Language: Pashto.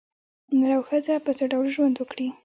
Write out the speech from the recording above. نر او ښځه په څه ډول ژوند وکړي.